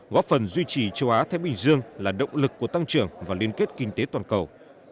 góp phần duy trì châu á thái bình dương là động lực của tăng trưởng và liên kết kinh tế toàn cầu